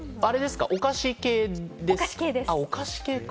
お菓子系ですか？